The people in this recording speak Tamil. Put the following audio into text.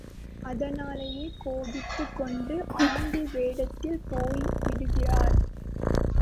அதனாலேயே கோபித்துக் கொண்டு ஆண்டி வேடத்தில் போய் விடுகிறார்.